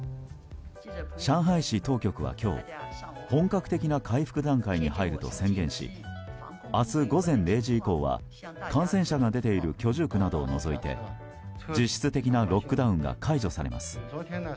上海市当局は今日本格的な回復段階に入ると宣言し明日午前０時以降は感染者が出ている居住区などを除いて実質的なロックダウンが解除されます。